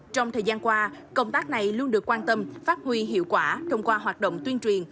trong thời gian qua công tác này luôn được quan tâm phát huy hiệu quả thông qua hoạt động tuyên truyền